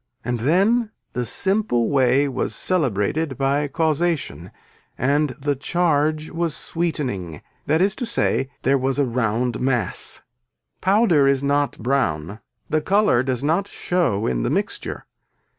And then the simple way was celebrated by causation and the charge was sweetening, that is to say there was a round mass. Powder is not brown. The color does not show in the mixture.